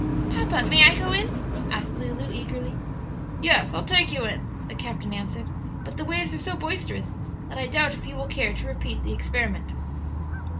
"Papa, may I go in?" asked Lulu, eagerly. "Yes; I'll take you in," the captain answered; "but the waves are so boisterous that I doubt if you will care to repeat the experiment.